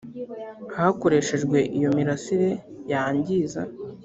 hakoreshejwe iyo mirasire yangiza